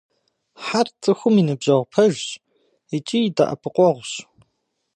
Хьэр – цӏыхум и ныбжьэгъу пэжщ икӏи и дэӏэпыкъуэгъущ.